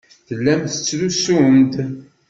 Tellam tettrusum-d.